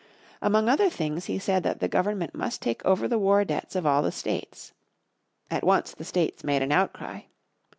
Among other things he said that the government must take over the war debts of all the states. At once the states made an outcry.